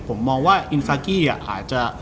ประเภทอิงซากี้คือ